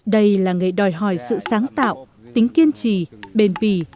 đây là người đòi hỏi sự sáng tạo tính kiên trì bền bì